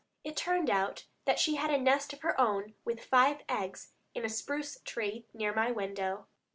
It turned out that she had a nest of her own with five eggs in a spruce tree near my window.